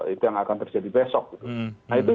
itu yang akan terjadi besok gitu nah itu